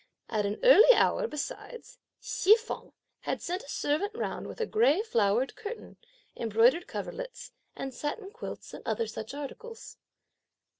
At an early hour, besides, Hsi feng had sent a servant round with a grey flowered curtain, embroidered coverlets and satin quilts and other such articles.